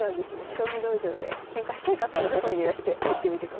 将棋道場でケンカしたい方は声に出して言ってみてください。